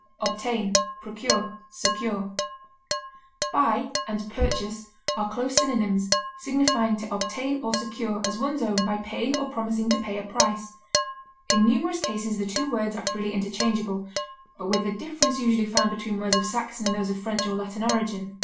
bargain for, buy, obtain, Buy and purchase are close synonyms, signifying to obtain or secure as one's own by paying or promising to pay a price; in numerous cases the two words are freely interchangeable, but with the difference usually found between words of Saxon and those of French or Latin origin.